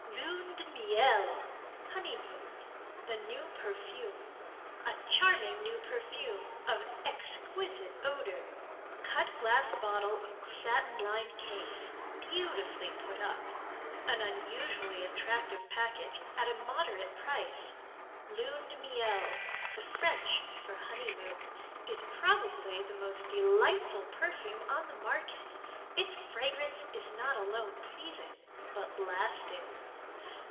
LUNE DE MIEL (HONEYMOON) The New Perfume A charming new perfume of exquisite odor. Cut Glass bottle in satin lined case Beautifully put up. An unusually attractive package at a moderate price. Lune de Miel (the French for Honeymoon) is probably the most delightful perfume on the market. It's fragrance is not alone pleasing but lasting.